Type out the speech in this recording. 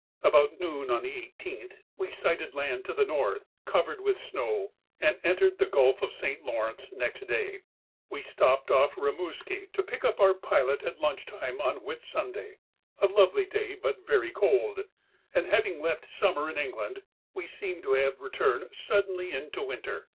About noon on the 18th we sighted land to the north, covered with snow, and entered the Gulf of St. Lawrence next day. We stopped off Rimouski to pick up our pilot at lunch time on Whit Sunday, a lovely day but very cold, and having left summer in England, we seemed to have returned suddenly into winter.